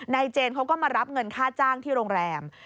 เจนเขาก็มารับเงินค่าจ้างที่โรงแรม